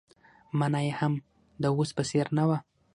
مانا يې هم د اوس په څېر نه وه.